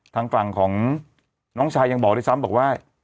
ทางฝั่งของน้องชายยังบอกด้วยซ้ำบอกว่า